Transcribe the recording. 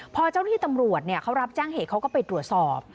พอเจ้าหน้าที่ตำรวจเขารับแจ้งเหตุเขาก็ไปตรวจสอบ